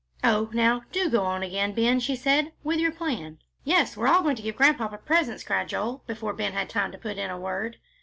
"Oh, now, do go on again, Ben," she said, "with your plan." "Yes, we're all going to give Grandpapa presents," cried Joel, before Ben had time to put in a word.